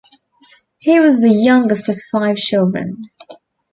He was the youngest of five children.